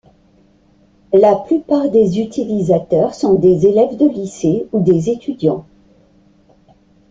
La plupart des utilisateurs sont des élèves de lycée ou des étudiants.